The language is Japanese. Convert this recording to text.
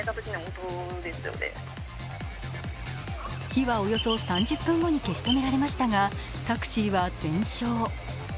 火は、およそ３０分後に消し止められましたがタクシーは全焼。